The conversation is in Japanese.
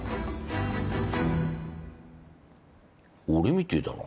俺みてえだな。